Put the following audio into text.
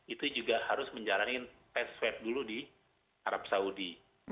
itu juga harus menjalani tes swab dulu di arab saudi